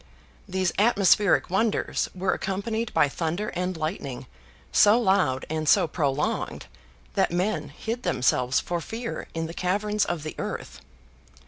These atmospheric wonders were accompanied by thunder and lightning so loud and so prolonged that men hid themselves for fear in the caverns of the earth.